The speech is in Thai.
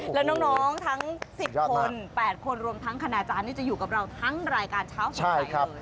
แล้วน้องทั้ง๑๐คน๘คนรวมทั้งคณาจารย์นี่จะอยู่กับเราทั้งรายการเช้าสดใสเลย